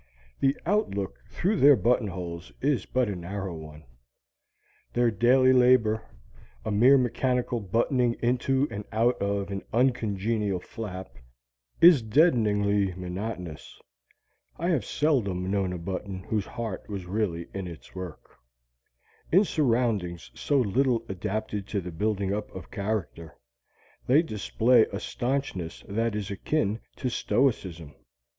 The outlook through their buttonholes is but a narrow one. Their daily labor, a mere mechanical buttoning into and out of an uncongenial flap, is deadeningly monotonous. (I have seldom known a button whose heart was really in its work.) In surroundings so little adapted to the building up of character, they display a stanchness that is akin to stoicism.